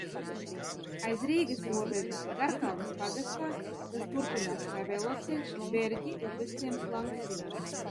Aiz Rīgas robežas, Garkalnes pagastā, tas turpinās kā veloceļš Berģi – Upesciems – Langstiņi.